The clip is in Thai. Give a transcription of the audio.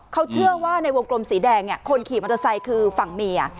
เขาเชื่อว่าในวงกลมสีแดงคนขี่มอเตอร์ไซค์คือฝั่งเมีย